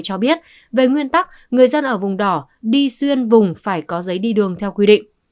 cho biết về nguyên tắc người dân ở vùng đỏ đi xuyên vùng phải có giấy đi đường theo quy định